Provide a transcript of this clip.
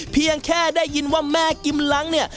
เพียงแค่ได้ยินว่าแม่กิมลังเนี่ย